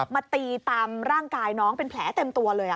มาตีตามร่างกายน้องเป็นแผลเต็มตัวเลย